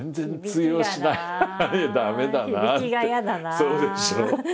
そうでしょ。